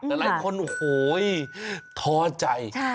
แต่ละคนโหยทอใจ